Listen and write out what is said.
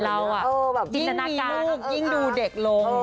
เราอ่ะยิ่งมีลูกยิ่งดูเด็กลง